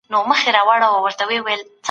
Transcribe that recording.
تاسو به د ژوند په هر رنګ کي ښکلا وینئ.